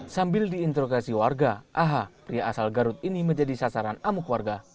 sambil diinterogasi warga aha pria asal garut ini menjadi sasaran amuk warga